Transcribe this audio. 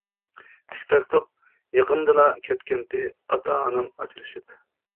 تىكتاك توپ يېقىندىلا كەتكەنتى، ئاتا-ئانام ئاجرىشىپ.